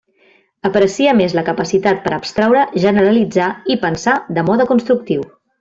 Aprecia més la capacitat per a abstraure, generalitzar i pensar de mode constructiu.